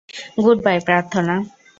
Good bye, প্রার্থনা!